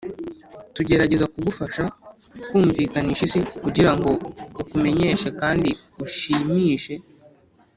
tugerageza kugufasha kumvikanisha isi, kugirango ukumenyeshe kandi ushimishe,